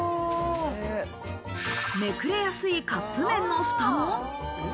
めくれやすいカップ麺のふたも。